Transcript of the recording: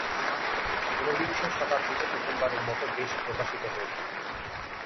ঊনবিংশ শতাব্দীতে প্রথমবারের মতো বেশ প্রকাশিত হয়েছিল।